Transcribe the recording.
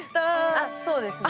あっそうですね。